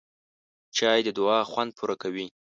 چای د دعا خوند پوره کوي